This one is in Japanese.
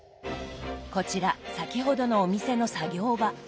こちら先ほどのお店の作業場。